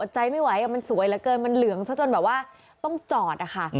ใจไม่ไหวมันสวยเหลือเกินมันเหลืองซะจนแบบว่าต้องจอดอะค่ะ